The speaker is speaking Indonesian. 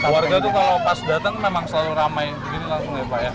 warga itu kalau pas datang memang selalu ramai begini langsung ya pak ya